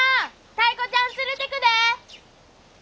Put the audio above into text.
タイ子ちゃん連れてくで！